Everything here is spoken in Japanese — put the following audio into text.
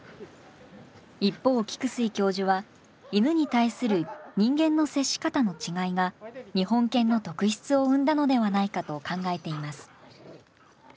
一方菊水教授は犬に対する人間の接し方の違いが日本犬の特質を生んだのではないかと考えています。